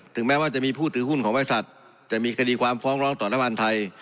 แม้ว่าจะมีผู้ถือหุ้นของบริษัทจะมีคดีความฟ้องร้องต่อน้ำมันไทย